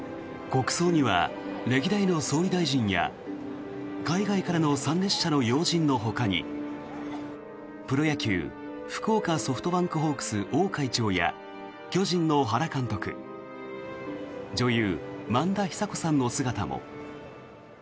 国葬には歴代の総理大臣や海外からの参列者の要人のほかにプロ野球福岡ソフトバンクホークス王会長や巨人の原監督女優・萬田久子さんの姿も。